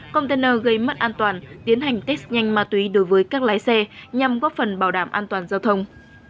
container gây mất an toàn tiến hành test nhanh ma túy đối với các lái xe nhằm góp phần bảo đảm an toàn giao thông